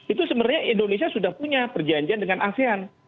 itu sebenarnya indonesia sudah punya perjanjian dengan asean